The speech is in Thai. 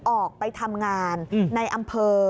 ออกไปทำงานในอำเภอ